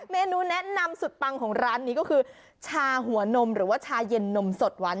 เมนูแนะนำสุดปังของร้านนี้ก็คือชาหัวนมหรือว่าชาเย็นนมสดหวาน